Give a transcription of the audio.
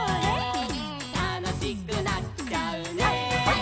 「たのしくなっちゃうね」